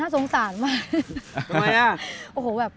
สงสารมาก